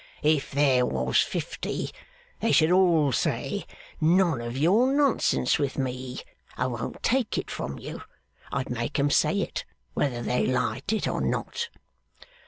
'If there was fifty, they should all say, None of your nonsense with me, I won't take it from you I'd make 'em say it, whether they liked it or not.